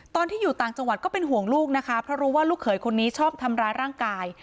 ตอนที่อยู่ต่างจังหวัดก็เป็นห่วงลูกนะคะเพราะรู้ว่าลูกเขยคนนี้ชอบทำร้ายร่างกาย